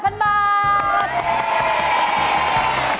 ขอบคุณครับ